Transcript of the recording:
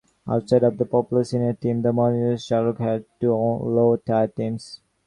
Outside of the popular senior team, the Montreal Shamrocks had two lower tier teams.